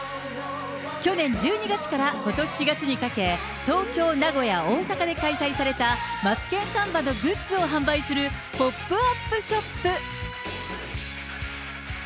去年１２月からことし４月にかけ、東京、名古屋、大阪で開催されたマツケンサンバのグッズを販売する、ポップアップショップ。